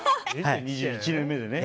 ２１年目でね。